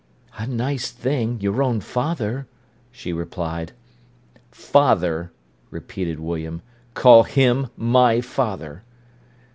"A nice thing—your own father," she replied. "'Father!'" repeated William. "Call him my father!"